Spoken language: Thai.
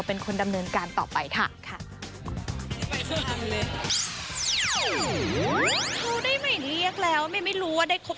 เป็นคนดำเนินการต่อไปค่ะ